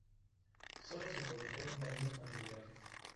Sólo se produjeron daños materiales.